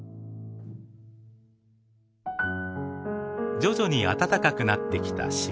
徐々に暖かくなってきた４月。